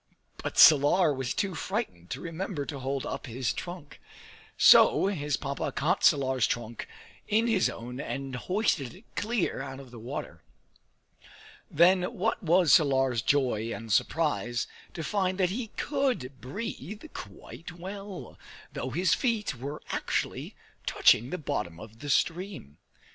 But Salar was too frightened to remember to hold up his trunk; so his Papa caught Salar's trunk in his own and hoisted it clear out of the water. Then what was Salar's joy and surprise to find that he could breathe quite well, though his feet were actually touching the bottom of the stream.